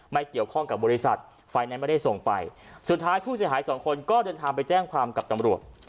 ไม่เกี่ยวข้องกับบริษัทไฟแนนซ์ไม่ได้ส่งไปสุดท้ายผู้เสียหายสองคนก็เดินทางไปแจ้งความกับตำรวจ